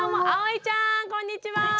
あおいちゃんこんにちは！